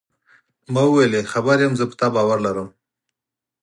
ما وویل: خبر یم، زه پر تا باور لرم.